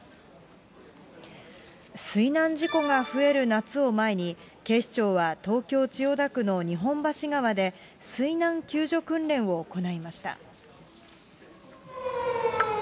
水難事故が増える夏を前に、警視庁は東京・千代田区の日本橋川で、水難救助訓練を行いました。